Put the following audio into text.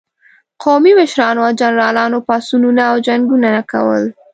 قومي مشرانو او جنرالانو پاڅونونه او جنګونه کول.